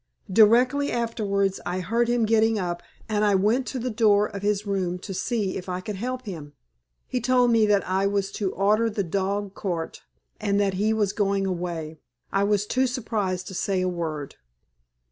Directly afterwards I heard him getting up, and I went to the door of his room to see if I could help him. He told me that I was to order the dog cart, and that he was going away. I was too surprised to say a word."